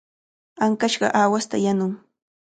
Ankashqa aawasta yanuy.